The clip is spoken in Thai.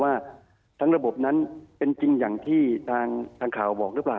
ว่าทั้งระบบนั้นเป็นจริงอย่างที่ทางข่าวบอกหรือเปล่า